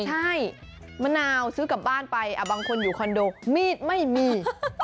ใช่มะนาวซื้อกลับบ้านไปบางคนอยู่คอนโดมีดไม่มี